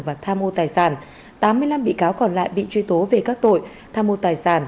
và tham mô tài sản tám mươi năm bị cáo còn lại bị truy tố về các tội tham mô tài sản